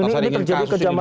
ini terjadi ketika zaman